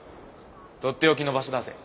とっておきの場所だぜ。